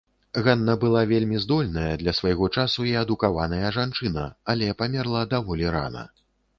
Ганна была вельмі здольная, для свайго часу і адукаваная жанчына, але памерла даволі рана.